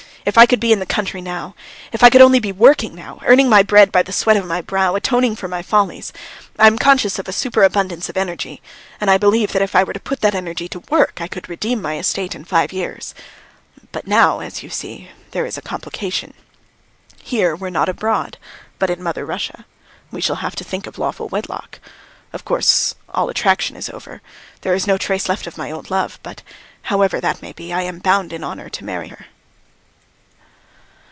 If I could be in the country now! If I could only be working now, earning my bread by the sweat of my brow, atoning for my follies. I am conscious of a superabundance of energy and I believe that if I were to put that energy to work I could redeem my estate in five years. But now, as you see, there is a complication. Here we're not abroad, but in mother Russia; we shall have to think of lawful wedlock. Of course, all attraction is over; there is no trace left of my old love, but, however that may be, I am bound in honour to marry her.